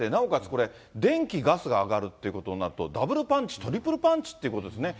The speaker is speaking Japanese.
これ、電気、ガスが上がるっていうことになると、ダブルパンチ、トリプルパンチっていうことですね。